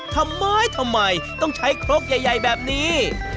ทำไมต้องใช้ครบใหญ่แบบนี้